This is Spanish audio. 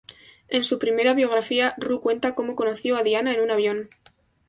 En su primera biografía, Ru cuenta cómo conoció a Diana en un avión.